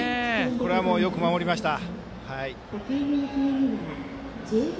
これはよく守りました。